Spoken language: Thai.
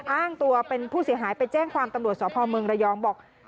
อ้างตัวเป็นผู้เสียหายไปแจ้งความตำรวจสพเมืองระยองบอก